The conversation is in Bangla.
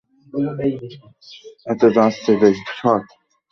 ঝকঝকে তকতকে সাজানো গোছানো দেশটিকে একটি সমৃদ্ধ, সফল দেশই বলা যায় নির্দ্বিধায়।